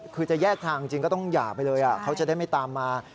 คือจะแยกทางจริงก็ต้องหย่าไปเลยเขาจะได้ไม่ตามมา